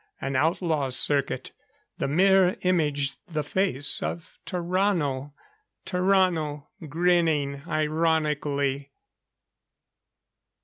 An outlaw circuit! The mirror imaged the face of Tarrano. Tarrano grinning ironically!